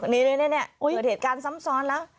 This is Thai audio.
นี่เกิดเหตุการณ์ซ้ำซ้อนแล้ว